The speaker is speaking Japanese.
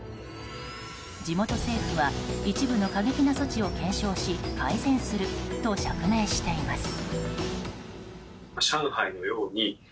地元政府は一部の過激な措置を検証し改善すると釈明しています。